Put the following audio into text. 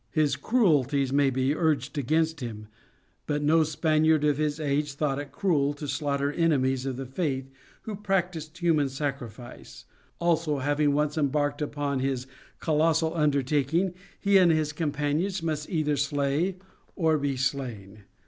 His cruelties may be urged against him, but no Spaniard of his age thought it cruel to slaughter enemies of the Faith who practised human sacrifice; also having once embarked upon his colossal undertaking he and his companions must either slay or be slain.